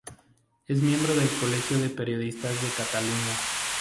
Es miembro del Colegio de Periodistas de Cataluña.